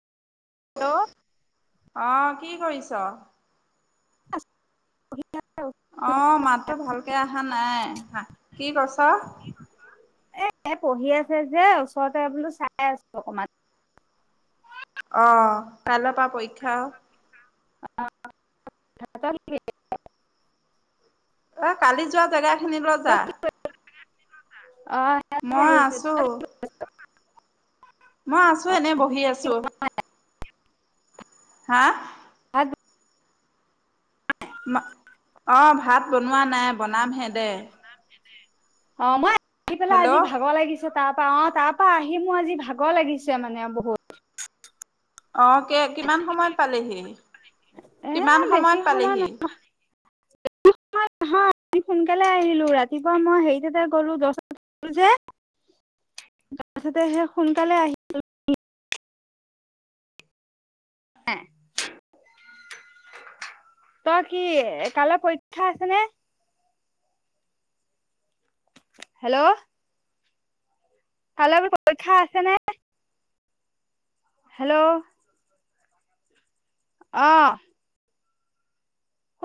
Hello অঁ কি কৰিছ। অ' মাতটো ভালকে অহা নাই। [unintelligible] কি কৈছ। এ পঢ়ি আছে যে ওচৰতে বোলো চাই আছো অকমান। অঁ, কাইলৈ পৰা পৰীক্ষা আও। [unintelligible] এ কালি যোৱা জেগাখিনিলৈ যা। অ' মই আহিছো আছো, মই আছো এনে বহি আছো। হা। [unintelligible] মা, অ, ভাত বনোৱা নাই বনাম হে দে। অঁ মই আহি পেলাই আজি হেল্ল' ভাগৰ লাগিছ তাৰ পৰা, অ' তাৰ পৰা আহি মোৰ আজি ভাগৰ লাগিছে মানে বহুত। অ' কে কিমান সময়ত পালিহি। এ কিমান বেছি সময়ত সময় পালেহি। [unintelligible] সোনকালে আহিলো ৰাতিপুৱা মই হেৰি ততে গলো দহটা যে গলোযে, তাৰপিছতে সেই সোনকালে আহ নে তই কি কাইলৈ পৰীক্ষা আছে নে? হেল্ল'। কাইলৈ বোলো পৰীক্ষা আছে নে? হেল্ল'। অ।